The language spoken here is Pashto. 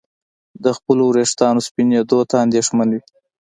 د خپلو ویښتانو سپینېدو ته اندېښمن وي.